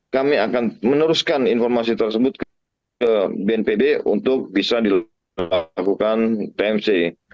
kami akan meneruskan informasi tersebut ke bnpb untuk bisa dilakukan tmc